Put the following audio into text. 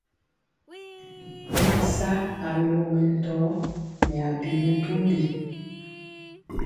Ɓɛ ri sa alogɔ mɛntɔɔ nɛ abi mɛntombi.